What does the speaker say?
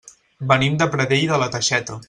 Venim de Pradell de la Teixeta.